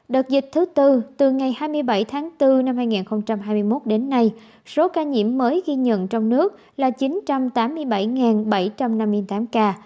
đợt dịch thứ tư từ ngày hai mươi bảy tháng bốn năm hai nghìn hai mươi một đến nay số ca nhiễm mới ghi nhận trong nước là chín trăm tám mươi bảy bảy trăm năm mươi tám ca